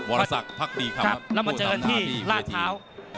บรรทศักดิ์ภักดีครับแล้วมาเจอกันที่ลาดเท้า